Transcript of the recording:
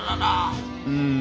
うん。